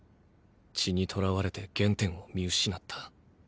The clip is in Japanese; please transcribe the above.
血に囚われて原点を見失った。